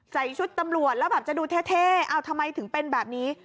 ใส่ชุดตำรวจแล้วแบบจะดูเท่เอาทำไมถึงเป็นแบบนี้